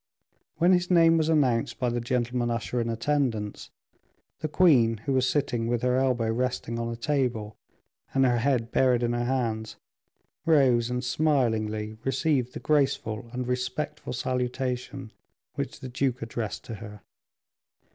When his name was announced by the gentleman usher in attendance, the queen, who was sitting with her elbow resting on a table, and her head buried in her hands, rose, and smilingly received the graceful and respectful salutation which the duke addressed to her.